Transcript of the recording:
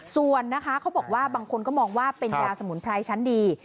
ส่วนนะคะเขาบอกว่าบางคนก็มองว่าเป็นยาสมุนไพรชั้นดี